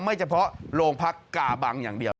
ไม่เฉพาะโรงพักกาบังอย่างเดียว